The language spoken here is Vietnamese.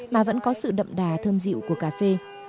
mà vẫn có sự đậm đà thơm dịu của cà phê